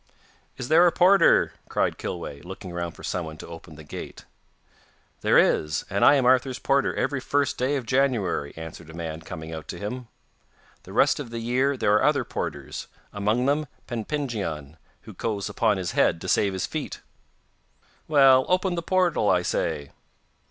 'Is there a porter?' cried Kilweh, looking round for someone to open the gate. 'There is; and I am Arthur's porter every first day of January,' answered a man coming out to him. 'The rest of the year there are other porters, and among them Pennpingyon, who goes upon his head to save his feet.' 'Well, open the portal, I say.